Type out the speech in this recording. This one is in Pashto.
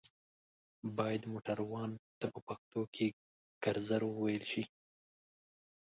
بايد موټروان ته په پښتو کې ګرځر ووئيل شي